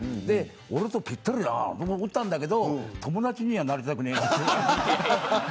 俺とぴったりだなと思ったけど友達にはなりたくない。